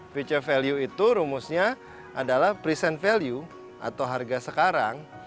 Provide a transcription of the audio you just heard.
future value itu rumusnya adalah present value atau harga sekarang